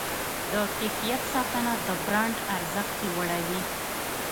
د کیفیت ساتنه د برانډ ارزښت لوړوي.